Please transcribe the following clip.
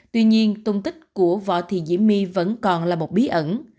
tuy nhiên tung tích của võ thị diễm my vẫn còn là một bí ẩn